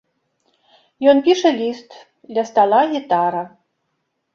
Ён піша ліст, ля стала гітара.